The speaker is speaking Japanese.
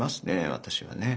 私はね。